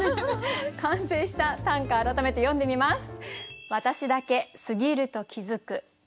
完成した短歌改めて読んでみます。